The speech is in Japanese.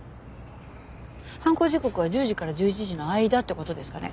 犯行時刻は１０時から１１時の間って事ですかね。